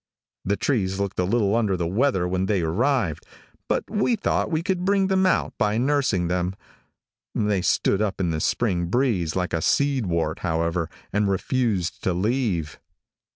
The trees looked a little under the weather when they arrived, but we thought we could bring them out by nursing them. They stood up in the spring breeze like a seed wart, however, and refused to leave.